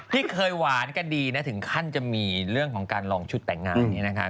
ที่เคยหวานกันดีนะถึงขั้นจะมีเรื่องของการลองชุดแต่งงานนี้นะคะ